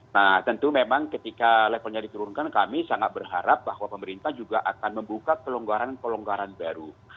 nah tentu memang ketika levelnya diturunkan kami sangat berharap bahwa pemerintah juga akan membuka kelonggaran pelonggaran baru